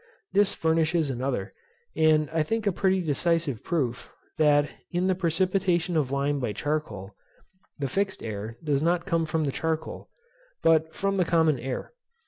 This furnishes another, and I think a pretty decisive proof, that, in the precipitation of lime by charcoal, the fixed air does not come from the charcoal, but from the common air.